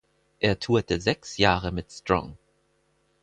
Er tourte sechs Jahre mit Strong.